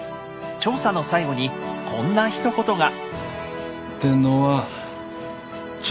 調査の最後にこんなひと言が。